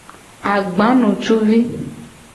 Agbanutuvi.